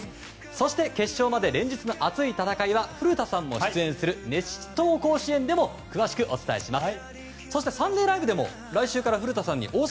そして決勝まで連日の熱い戦いは古田さんも出演する「熱闘甲子園」でも詳しくお伝えします。